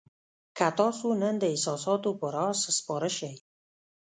که تاسو نن د احساساتو پر آس سپاره شئ.